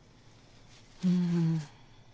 うん。